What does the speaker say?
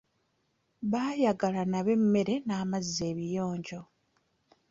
Baayagala nabo emmere n'amazzi ebiyinjo.